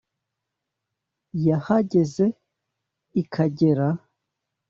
Yahageze i Kagera